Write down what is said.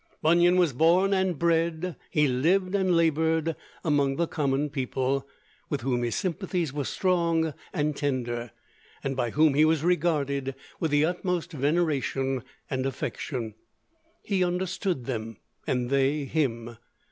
Bunyan was born and bred, he lived and labored, among the common people, with whom his sympathies were strong and tender, and by whom he was regarded with the utmost veneration and affection. He understood them, and they him.